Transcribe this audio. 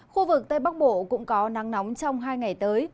khu vực tây bắc bộ cũng có nắng nóng trong hai ngày tới